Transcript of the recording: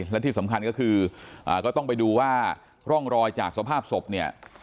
และที่สำคัญก็คือก็ต้องไปดูว่าร่องรอยจากสภาพศพเนี่ย